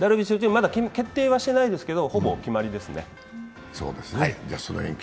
まだ決定はしてないですけど、ほぼ決まりですね。